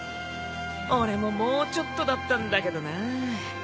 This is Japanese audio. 俺ももうちょっとだったんだけどな。